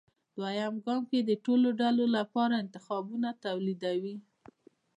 دویم ګام کې د ټولو ډلو لپاره انتخابونه توليدوي.